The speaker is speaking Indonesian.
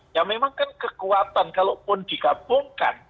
ya memang kan kekuatan kalaupun digabungkan